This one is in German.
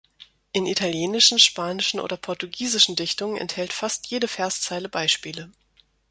In italienischen, spanischen oder portugiesischen Dichtungen enthält fast jede Verszeile Beispiele.